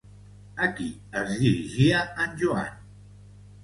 A qui es dirigia en Joan?